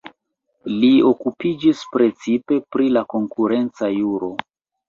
Li okupiĝis precipe pri la konkurenca juro.